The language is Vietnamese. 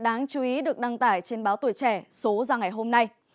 đáng chú ý được đăng tải trên báo tuổi trẻ số ra ngày hôm nay